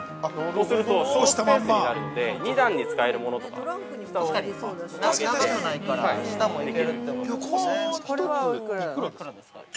そうすると省スペースになるので２段に使えるものとか。◆長くないから、下も行けるってことですね。